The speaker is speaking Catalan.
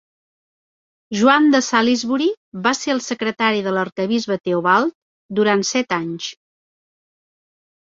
Joan de Salisbury va ser el secretari de l'arquebisbe Teobald durant set anys.